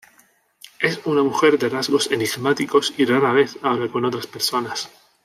Es una mujer de rasgos enigmáticos y rara vez habla con otras personas.